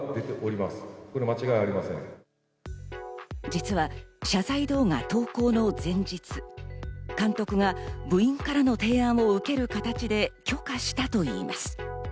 実は謝罪動画投稿の前日、監督が部員からの提案を受ける形で許可したといいます。